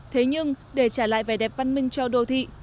thế nhưng để trả lại vẻ đẹp văn minh cho đô thị